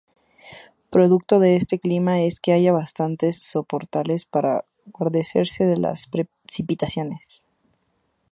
Producto de este clima es que haya bastantes soportales para guarecerse de las precipitaciones.